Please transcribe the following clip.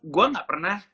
gue gak pernah